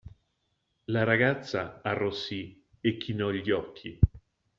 La ragazza arrossì e chinò gli occhi.